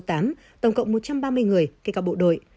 tổng cộng một trăm ba mươi người kể cả bộ đội